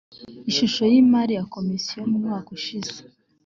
ishusho y’imari ya komisiyo mu mwaka ushize